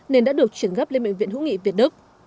nên đã được chuyển gấp lên bệnh viện hữu nghị việt đức